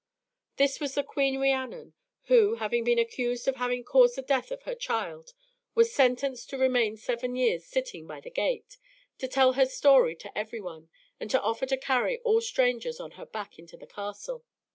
This was the queen Rhiannon, who, having been accused of having caused the death of her child, was sentenced to remain seven years sitting by the gate, to tell her story to every one, and to offer to carry all strangers on her back into the castle.